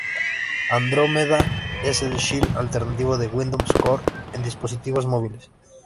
Andrómeda es el Shell alternativo de Windows Core en dispositivos móviles.